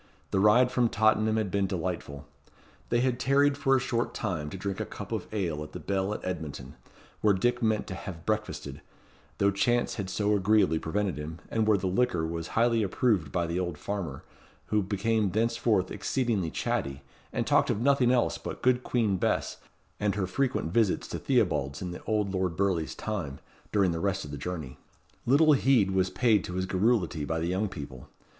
The ride from Tottenham had been delightful. They had tarried for a short time to drink a cup of ale at the Bell at Edmonton, where Dick meant to have breakfasted, though chance had so agreeably prevented him, and where the liquor was highly approved by the old farmer, who became thenceforth exceedingly chatty, and talked of nothing else but good Queen Bess and her frequent visits to Theobalds in the old Lord Burleigh's time, during the rest of the journey. Little heed was paid to his garrulity by the young couple.